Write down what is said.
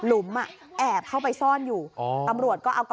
พอหลังจากเกิดเหตุแล้วเจ้าหน้าที่ต้องไปพยายามเกลี้ยกล่อม